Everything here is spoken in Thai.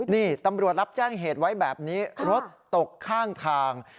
นี่ตำรวจรับแจ้งเหตุไว้แบบนี้รถตกข้างทาง